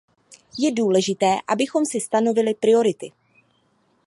Je důležité, abychom si stanovili priority.